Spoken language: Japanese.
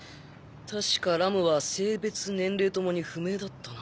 確かラムは性別年齢ともに不明だったな。